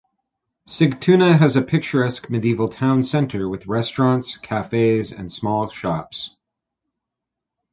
Sigtuna has a picturesque medieval town centre with restaurants, cafes and small shops.